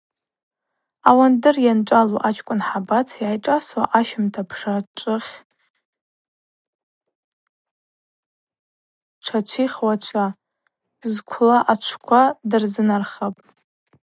Ауандыр йанчӏвалу ачкӏвын Хӏабац, йгӏайшӏасуа ащымта пша чӏвыхь тшачвихчауа, зквла ачвква дырзынархапӏ.